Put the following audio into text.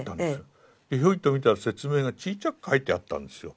でひょいと見たら説明がちっちゃく書いてあったんですよ。